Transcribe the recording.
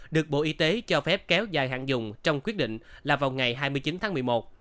được bộ y tế cho phép kéo dài hạn dùng trong quyết định là vào ngày hai mươi chín tháng một mươi một